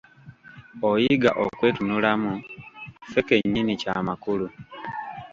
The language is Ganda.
Okuyiga okwetunulamu ffe ke nnyini kya makulu.